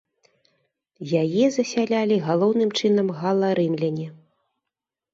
Яе засялялі галоўным чынам гала-рымляне.